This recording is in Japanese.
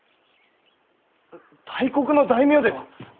大国の大名では何故。